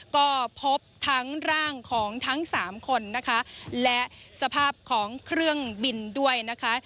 ก็พบทั้งร่างของทั้งสามคนนะคะและสภาพของเครื่องบินด้วยนะคะ